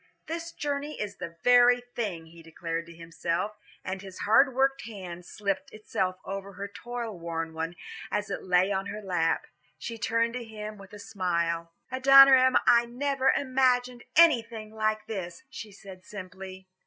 "This journey is the very thing," he declared to himself, and his hard worked hand slipped itself over her toil worn one as it lay on her lap. She turned to him with a smile. "Adoniram, I never imagined anything like this," she said simply.